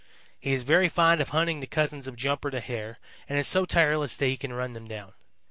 He is very fond of hunting the cousins of Jumper the Hare and is so tireless that he can run them down.